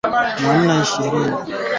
Jeshi linasema limeua waasi kumi